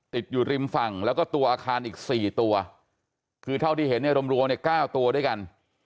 ติดอยู่ริมฝั่งแล้วก็ตัวอาคารอีก๔ตัวคือเท่าที่เห็นเนี่ยรวมรวมเนี่ย๙ตัวด้วยกัน